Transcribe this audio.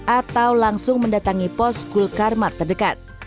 atau langsung mendatangi pos gul karmat terdekat